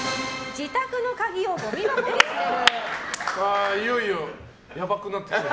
自宅の鍵をごみ箱に捨てる。